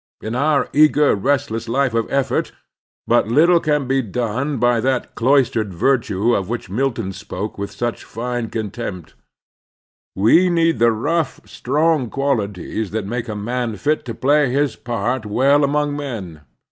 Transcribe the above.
In our eager, restless life of effort, but little can be done by that cloistered virtue of which Milton spoke with such fine contempt. We need the rough, strong qualities that make a man fit to play his part well among men.